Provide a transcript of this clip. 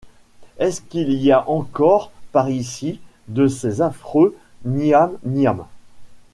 Est-ce qu’il y a encore par ici de ces affreux Nyam-Nyam ?